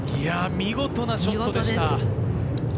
見事なショットでした。